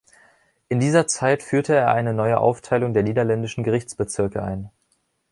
In dieser Zeit führte er eine neue Aufteilung der niederländischen Gerichtsbezirke ein.